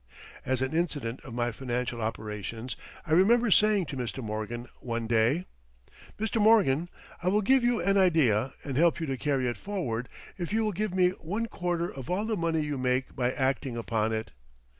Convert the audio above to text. As an incident of my financial operations I remember saying to Mr. Morgan one day: "Mr. Morgan, I will give you an idea and help you to carry it forward if you will give me one quarter of all the money you make by acting upon it."